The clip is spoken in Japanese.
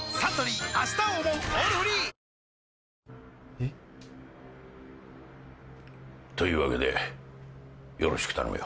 えっ？というわけでよろしく頼むよ。